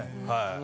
はい。